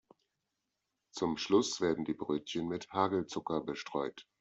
Zum Schluss werden die Brötchen mit Hagelzucker bestreut.